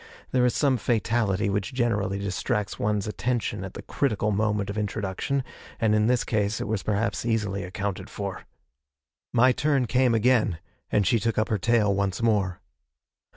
There is some fatality which generally distracts one's attention at the critical moment of introduction, and in this case it was perhaps easily accounted for. My turn came again, and she took up her tale once more.